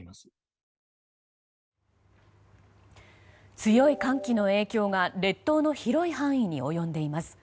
強い寒気の影響が列島の広い範囲に及んでいます。